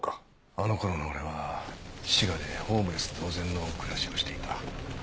あの頃の俺は滋賀でホームレス同然の暮らしをしていた。